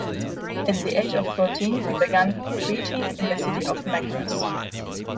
At the age of fourteen he began preaching in the city of Meknes.